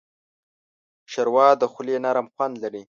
ښوروا د خولې نرم خوند لري.